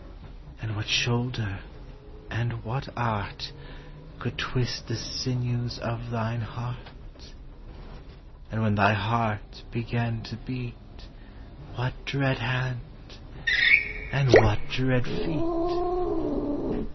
And what shoulder, and what art. Could twist the sinews of thine heart? And when thy heart began to beat. What dread hand? and what dread feet?